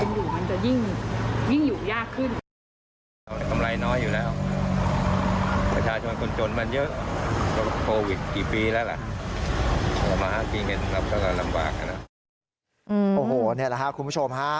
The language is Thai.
โอ้โฮนี่แหละคุณผู้ชม